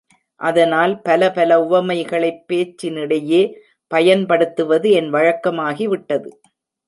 அதனால் பல பல உவமைகளைப் பேச்சினிடையே பயன்படுத்துவது என் வழக்கமாகிவிட்டது.